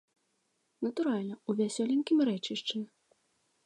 Натуральна, у вясёленькім рэчышчы.